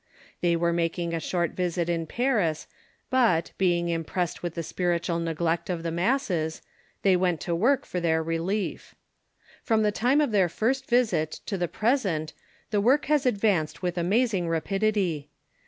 They were making a short visit in Paris, but, being impressed with the spiritual neglect of the masses, they Avent to work for their relief. From the time of their first visit to the present the work has advanced Avith amazing rapidity.